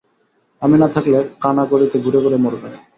আমি না থাকলে কানাগলিতে ঘুরে ঘুরে মরবেন।